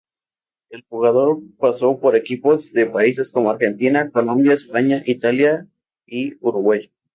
El jugador pasó por equipos de países como: Argentina, Colombia, España, Italia y Uruguay.